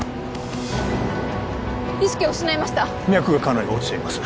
意識を失いました脈がかなり落ちています